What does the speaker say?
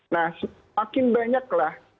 nah makin banyak lah